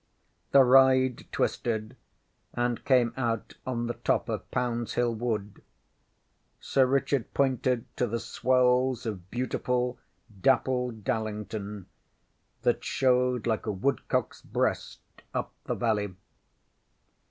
ŌĆÖ The ride twisted, and came out on the top of PoundŌĆÖs Hill Wood. Sir Richard pointed to the swells of beautiful, dappled Dallington, that showed like a woodcockŌĆÖs breast up the valley.